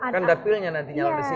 kan daktilnya nanti nyala di sini ya